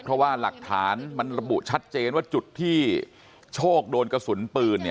เพราะว่าหลักฐานมันระบุชัดเจนว่าจุดที่โชคโดนกระสุนปืน